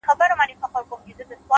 علم د پرمختګ اصلي محرک دی؛